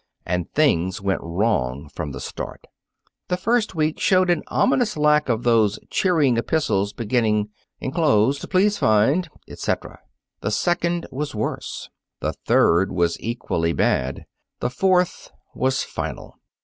And things went wrong from the start. The first week showed an ominous lack of those cheering epistles beginning, "Enclosed please find," etc. The second was worse. The third was equally bad. The fourth was final.